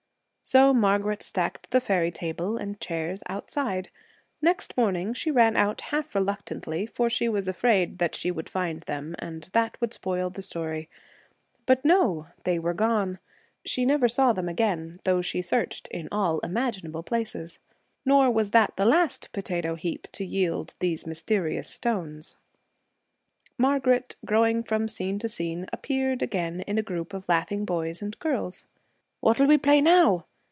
So Margaret stacked the fairy table and chairs outside. Next morning, she ran out half reluctantly, for she was afraid she would find them and that would spoil the story. But, no! they were gone. She never saw them again, though she searched in all imaginable places. Nor was that the last potato heap to yield these mysterious stones. Margaret, growing from scene to scene, appeared again in a group of laughing boys and girls. 'What'll we play now?'